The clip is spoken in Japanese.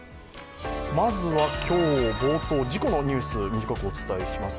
まずは今日、冒頭事故のニュース短くお伝えします。